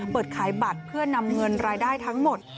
เปิดขายบัตรเพื่อนำเงินรายได้ทั้งหมด